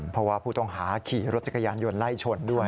เพราะว่าผู้ต้องหาขี่รถจักรยานยนต์ไล่ชนด้วย